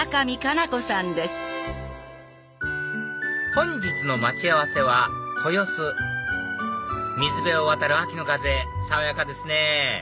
本日の待ち合わせは豊洲水辺を渡る秋の風爽やかですね